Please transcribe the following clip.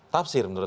tafsir menurut anda